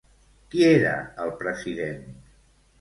Qui era el president?